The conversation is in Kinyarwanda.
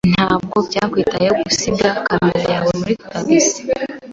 Ntabwo byakwitayeho gusiga kamera yawe muri tagisi.